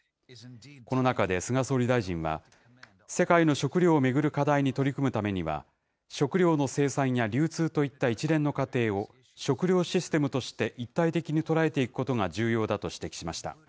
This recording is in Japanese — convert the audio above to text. この中で菅総理大臣は、世界の食料を巡る課題に取り組むためには、食料の生産や流通といった一連の過程を、食料システムとして一体的に捉えていくことが重要だと指摘しました。